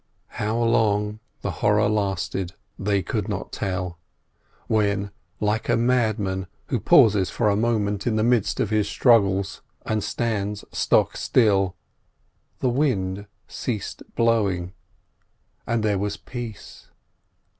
How long the horror lasted they could not tell, when, like a madman who pauses for a moment in the midst of his struggles and stands stock still, the wind ceased blowing, and there was peace.